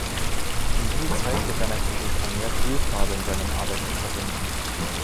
Um diese Zeit begann er zudem vermehrt Ölfarbe in seinen Arbeiten zu verwenden.